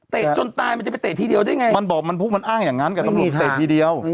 จนตายมันจะไปเตะทีเดียวได้ไงมันบอกมันพกมันอ้างอย่างนั้นกับตำรวจเตะทีเดียว